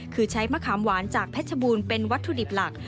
คือใช้มะขามหวานจากเพชรบูรณ์เป็นวัตถุดิบหลัก